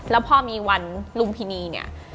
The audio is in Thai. แล้วพอมีวันลุมพินีเนี่ย